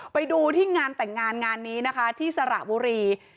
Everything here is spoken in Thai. ไปดูที่งานแต่งงานงานนี้นะคะที่สระบุรี